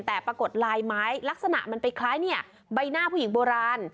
แต่ปรากฏลายไม้ลักษณะมันไปคล้ายเนี่ยใบหน้าผู้หญิงโบราณ